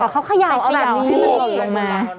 อ๋อเขาเขย่าเอาแบบนี้ทรวงลงมา